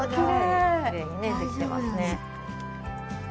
きれいにねできてますね。